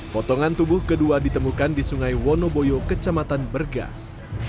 potongan tubuh kedua ditemukan di sungai wonoboyo kecamatan bergas